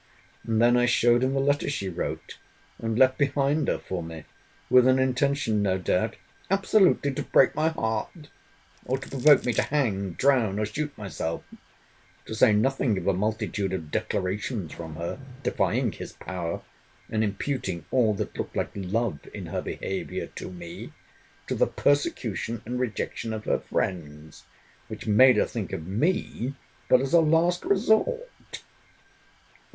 —And then I showed him the letter she wrote, and left behind her for me, with an intention, no doubt, absolutely to break my heart, or to provoke me to hang, drown, or shoot myself; to say nothing of a multitude of declarations from her, defying his power, and imputing all that looked like love in her behaviour to me, to the persecution and rejection of her friends; which made her think of me but as a last resort.